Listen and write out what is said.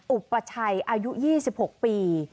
อุปชัยอายุ๒๖ปี